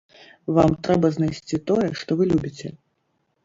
Вам трэба знайсці тое, што вы любіце.